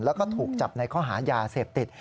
แล้วก็ถูกจับในข้อหายาเสพติด